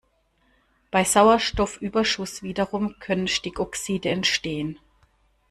Bei Sauerstoffüberschuss wiederum können Stickoxide entstehen.